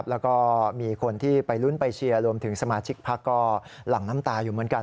แล้วก็มีคนที่ไปลุ้นไปเชียร์รวมถึงสมาชิกพักก็หลั่งน้ำตาอยู่เหมือนกัน